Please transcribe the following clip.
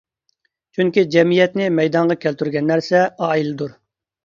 چۈنكى جەمئىيەتنى مەيدانغا كەلتۈرگەن نەرسە ئائىلىدۇر.